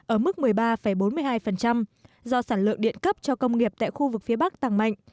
ở mức một mươi ba bốn mươi hai do sản lượng điện cấp cho công nghiệp tại khu vực phía bắc tăng mạnh